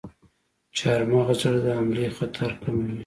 چارمغز د زړه حملې خطر کموي.